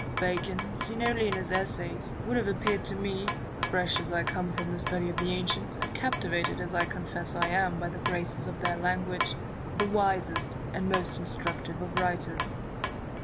Bacon, seen only in his Essays, would have appeared to me (fresh as I come from the study of the ancients, and captivated as I confess I am by the graces of their language) the wisest and most instructive of writers.